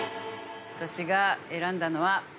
私が選んだのは。